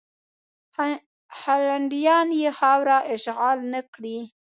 هالنډیان یې خاوره اشغال نه کړي.